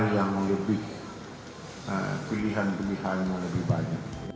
yang lebih pilihan pilihan yang lebih banyak